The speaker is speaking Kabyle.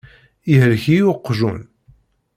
Yehlek-iyi uqjun.